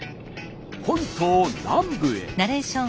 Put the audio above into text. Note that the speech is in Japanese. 本島南部へ。